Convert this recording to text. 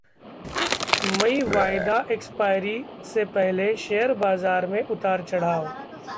मई वायदा एक्सपायरी से पहले शेयर बाजार में उतार-चढ़ाव